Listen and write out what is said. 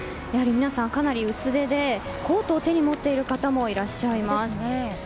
やはり皆さんかなり薄手でコートを手に持っている方もいらっしゃいます。